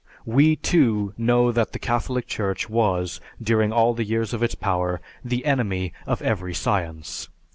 We, too, know that the Catholic Church was, during all the years of its power, the enemy of every science.